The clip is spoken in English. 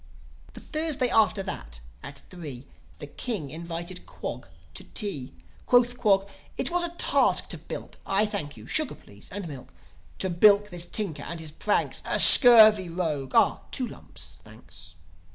The Thursday after that, at three, The King invited Quog to tea. Quoth Quog, "It was a task to bilk ... (I thank you; sugar, please, and milk) ... To bilk this Tinker and his pranks. A scurvy rogue! ... (Ah, two lumps, thanks.)